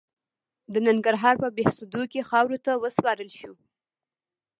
د ننګرهار په بهسودو کې خاورو ته وسپارل شو.